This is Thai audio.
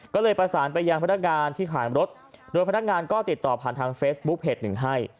ก็เลยประสานไปยังพนักงานที่ขายรถโดยพนักงานก็ติดต่อผ่านทางเฟซบุ๊คเพจหนึ่งให้